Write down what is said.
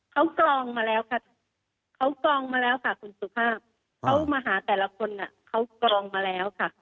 เขากรองมาแล้วค่ะเขากรองมาแล้วค่ะคุณสุภาพเขามาหาแต่ละคนเขากรองมาแล้วค่ะ